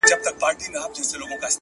اکثر وګړي لکه جام لبريز وي ظرف يې کم وي